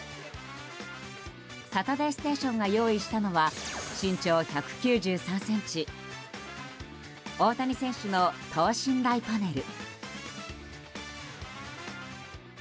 「サタデーステーション」が用意したのは身長１９３ｃｍ大谷選手の等身大パネル。